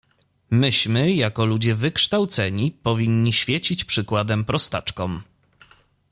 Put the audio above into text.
"Myśmy, jako ludzie wykształceni, powinni świecić przykładem prostaczkom."